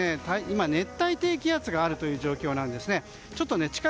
今、熱帯低気圧があるという状況です。